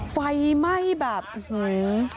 ไฟไหม้แบบหื้อ